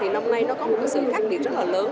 năm nay nó có một sự khác biệt rất là lớn